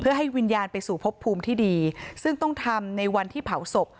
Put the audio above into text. เพื่อให้วิญญาณไปสู่พบภูมิที่ดีซึ่งต้องทำในวันที่เผาศพ